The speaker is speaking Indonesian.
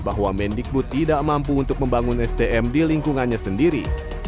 bahwa mendikbud tidak mampu untuk membangun sdm di lingkungannya sendiri